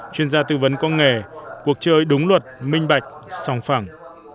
chuyên gia tư vấn công nghệ cuộc chơi đúng luật minh bạch song phẳng